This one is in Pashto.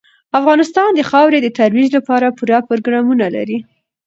افغانستان د خاورې د ترویج لپاره پوره پروګرامونه لري.